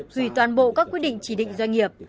hủy toàn bộ các quyết định chỉ định doanh nghiệp